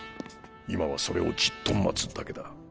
今はそれをじっと待つだけだ。